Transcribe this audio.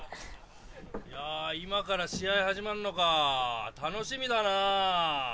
いやぁ今から試合始まんのか楽しみだな。